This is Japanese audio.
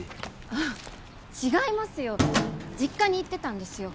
あっ違いますよ実家に行ってたんですよ